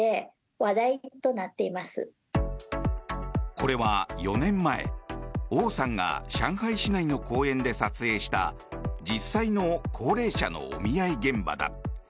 これは４年前、オウさんが上海市内の公園で撮影した実際の高齢者のお見合い現場だ。